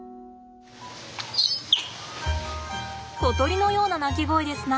小鳥のような鳴き声ですな。